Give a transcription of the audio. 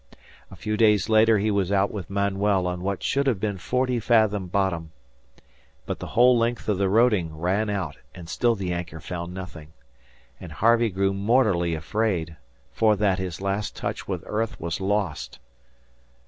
A few days later he was out with Manuel on what should have been forty fathom bottom, but the whole length of the roding ran out, and still the anchor found nothing, and Harvey grew mortally afraid, for that his last touch with earth was lost.